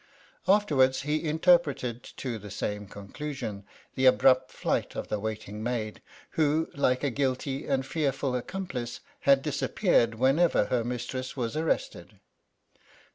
Afterwards, he interpreted to the same conclusion tiie abrupt flight of tiie waiting maid, who, like a guilty and fearfid r.ccomplice, had disappeared whenever her mistress wr.s arrested ; and.